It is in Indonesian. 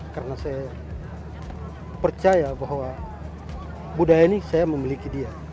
karena saya percaya bahwa budaya ini saya memiliki dia